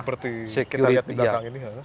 seperti kita lihat di belakang ini